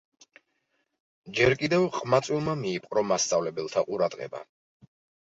ჯერ კიდევ ყმაწვილმა მიიპყრო მასწავლებელთა ყურადღება.